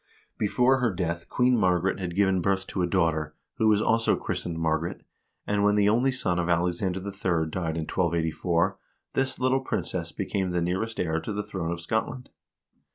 Before her death Queen Margaret had given birth to a daughter, who was also christened Margaret, and when the only son of Alexander III. died in L28 1. this little princess became the nearest heir to the throne of Scotland.